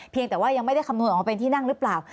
แต่ว่ายังไม่ได้คำนวณออกมาเป็นที่นั่งหรือเปล่า